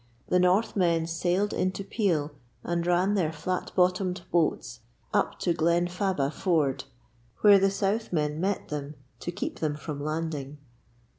The north men sailed into Peel and ran their flat bottomed boats up to Glenfaba Ford, where the south men met them to keep them from landing.